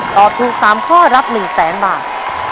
ตอบถูก๓ข้อรับ๑๐๐๐๐๐บาท